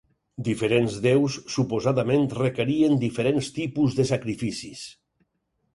Diferents déus suposadament requerien diferents tipus de sacrificis.